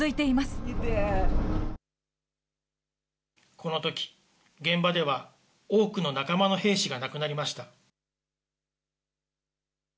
このとき、現場では多くの仲間の兵士が亡くなりました。